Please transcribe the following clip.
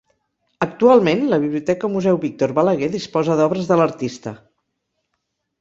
Actualment, la Biblioteca Museu Víctor Balaguer disposa d'obres de l'artista.